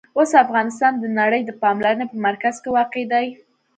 اوس افغانستان د نړۍ د پاملرنې په مرکز کې واقع دی.